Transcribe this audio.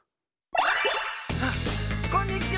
あっこんにちは！